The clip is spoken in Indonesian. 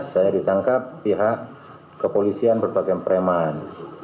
saya ditangkap pihak kepolisian berbagai preman